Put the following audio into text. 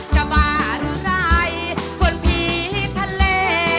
บ้าหรือไรคนผีทะเล